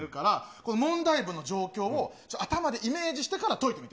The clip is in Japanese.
この問題分の状況を頭でイメージしてから解いてみて。